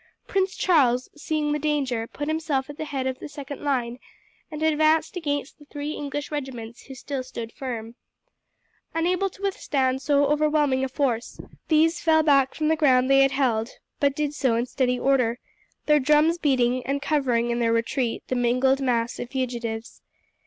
Prince Charles, seeing the danger, put himself at the head of the second line and advanced against the three English regiments who still stood firm. Unable to withstand so overwhelming a force these fell back from the ground they had held, but did so in steady order, their drums beating, and covering, in their retreat, the mingled mass of fugitives.